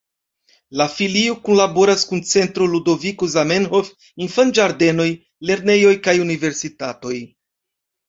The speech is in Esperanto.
La filio kunlaboras kun Centro Ludoviko Zamenhof, infanĝardenoj, lernejoj kaj universitatoj.